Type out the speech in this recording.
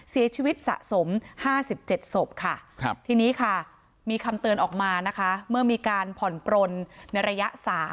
เสียชีวิตสะสม๕๗ศพค่ะทีนี้ค่ะมีคำเตือนออกมานะคะเมื่อมีการผ่อนปลนในระยะ๓